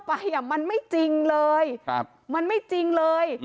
สามีเมาและมั่วที่เล่าไปมันไม่จริงเลย